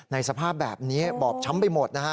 สภาพแบบนี้บอบช้ำไปหมดนะฮะ